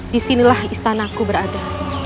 disinilah istanaku berada